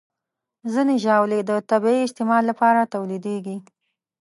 ځینې ژاولې د طبي استعمال لپاره تولیدېږي.